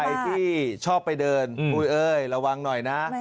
ใครที่ชอบไปเดินอุ้ยเอ้ยระวังหน่อยนะ